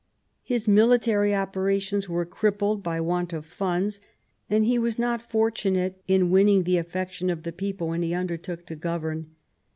His military operations were crippled by want of funds, and he was not fortunate in win ning the affection of the people whom he undertook to govern.